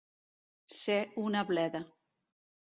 Ser una bleda.